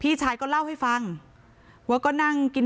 ภรรยาก็บอกว่านายเทวีอ้างว่านายทองม่วนขโมย